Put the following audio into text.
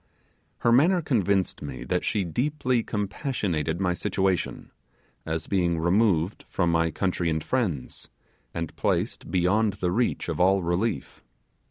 Her manner convinced me that she deeply compassionated my situation, as being removed from my country and friends, and placed beyond the reach of all relief.